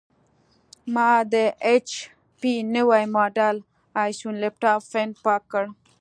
ما د ایچ پي نوي ماډل ائ سیون لېپټاپ فین پاک کړ.